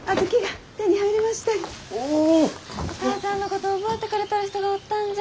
お母さんのこと覚えてくれとる人がおったんじゃ。